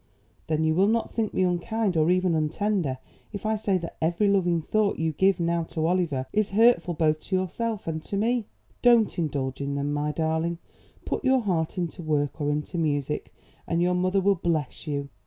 "Then you will not think me unkind or even untender if I say that every loving thought you give now to Oliver is hurtful both to yourself and to me. Don't indulge in them, my darling. Put your heart into work or into music, and your mother will bless you.